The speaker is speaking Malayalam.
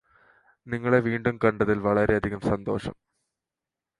നിങ്ങളെ വീണ്ടും കണ്ടതില് വളരെയധികം സന്തോഷം